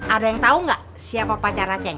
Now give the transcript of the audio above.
ada yang tahu nggak siapa pacar raceng